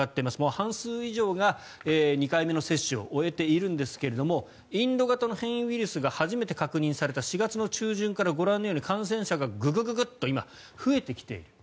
半数以上が２回目の接種を終えているんですがインド型の変異ウイルスが初めて確認された４月の中旬からご覧のように感染者が今、ググッと増えてきている。